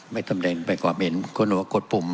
ไม่ต้องแสดงกว่ากรรมเห็นเพราะหนูกดปุ่ม